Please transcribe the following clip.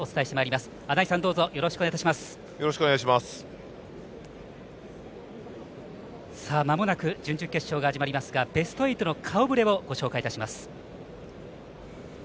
まもなく準々決勝が始まりますがベスト８の顔ぶれをご紹介いたします。